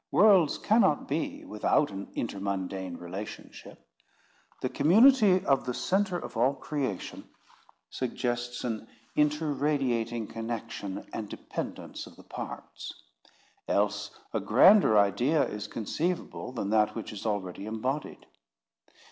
Worlds cannot be without an intermundane relationship. The community of the centre of all creation suggests an interradiating connection and dependence of the parts. Else a grander idea is conceivable than that which is already imbodied.